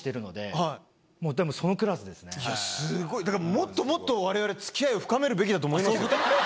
だからもっともっと我々付き合いを深めるべきだと思いますよ。